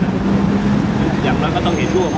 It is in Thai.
แล้วจะกลับไปรู้เป็นอะไรแต่ถ้าเวลาจะกำมือ